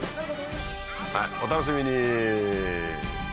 はいお楽しみに！